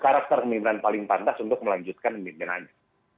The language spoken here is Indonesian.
karakter kemimpinan paling pantas untuk melanjutkan pembinaannya